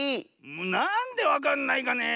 なんでわかんないかねえ。